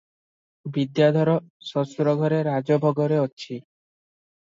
ବିଦ୍ୟାଧର ଶ୍ୱଶୁର ଘରେ ରାଜଭୋଗରେ ଅଛି ।